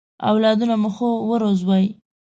اولادونه مو ښه ورزوی!